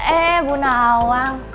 eh bu nawang